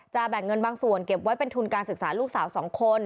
แบ่งเงินบางส่วนเก็บไว้เป็นทุนการศึกษาลูกสาว๒คน